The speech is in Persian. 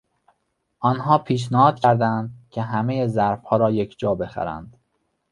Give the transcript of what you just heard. آنها پیشنهاد کردهاند که همهی ظرفها را یکجا بخرند.